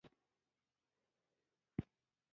هم د پېغلوټو هم جینکیو